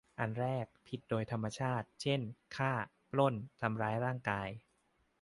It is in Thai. อันแรก ผิดโดยธรรมชาติ เช่น ฆ่า ปล้น ทำร้ายร่างกาย